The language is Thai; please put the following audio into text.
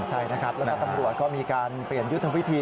ใช่นะครับแล้วก็ตำรวจก็มีการเปลี่ยนยุทธวิธี